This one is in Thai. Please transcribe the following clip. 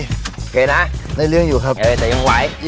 โอเคนะมันยิ่มอยู่ครับใจง่วงไว